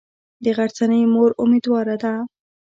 د غرڅنۍ مور امیدواره ده.